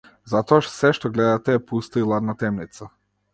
Затоа сѐ што гледате е пуста и ладна темница.